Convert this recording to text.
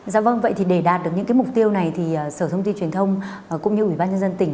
dạ vâng vậy thì để đạt được những cái mục tiêu này thì sở thông tin truyền thông cũng như ủy ban nhân dân tỉnh